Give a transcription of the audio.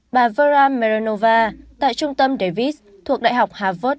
bà vera merinova tại trung tâm davis thuộc đại học hà nội